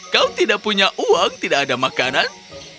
kau tidak punya uang tidak ada makanan tidak ada penghargaan